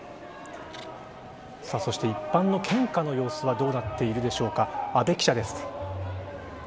そして一般の献花の様子はどうなっているでしょうか。